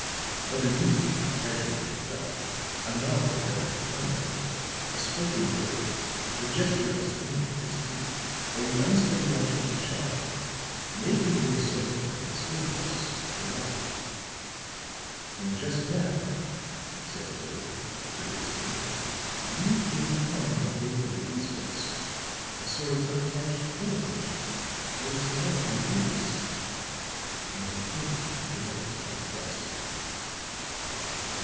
But a newspaper casually picked up, a novel read as a time killer, a spoken word, the gesture of a stranger in the street, or the unstudied action of a child, may convey a something that will stay with us for life." "And just now," said Fuller, curiously, "you came upon one of these little incidents, a sort of unattached thing, which throws some light upon these," and he pointed to the drawings upon the desk.